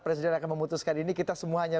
presiden akan memutuskan ini kita semuanya